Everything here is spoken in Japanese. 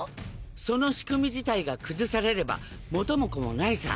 その仕組み自体が崩されれば元も子もないさ。